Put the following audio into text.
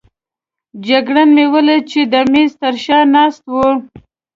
جګړن مې ولید چې د مېز تر شا ناست وو.